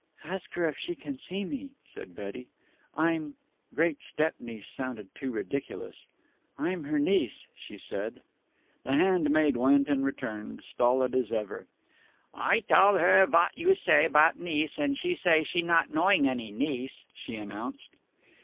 "Ask her if she can see me," said Betty. "I'm " great step niece sounded too ridiculous "I'm her niece," she said. The handmaid went and returned, stolid as ever. "Ay tal her vat yu say about niece, and she say she not knowing any niece," she announced.